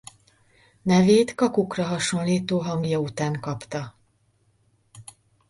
Nevét kakukkra hasonlító hangja után kapta.